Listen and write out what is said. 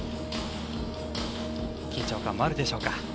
緊張感もあるでしょうか。